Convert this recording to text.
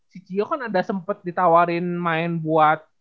si cio kan ada sempet ditawarin main buat